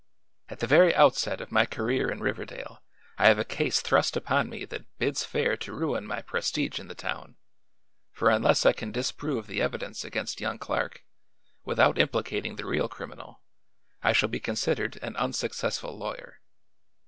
At the very outset of my career in Riverdale I have a case thrust upon me that bids fair to ruin my prestige in the town, for unless I can disprove the evidence against young Clark, without implicating the real criminal, I shall be considered an unsuccessful lawyer.